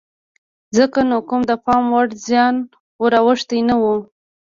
ځکه نو کوم د پام وړ زیان ور اوښتی نه و.